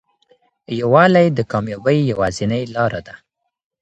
یووالی د کامیابۍ یوازینۍ لاره ده.